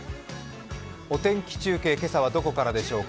お天気中継、今朝はどこからでしょうか。